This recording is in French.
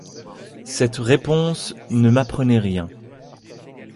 Cette réponse ne m’apprenait rien.